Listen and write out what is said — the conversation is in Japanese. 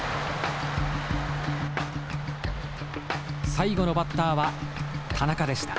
最後のバッターは田中でした。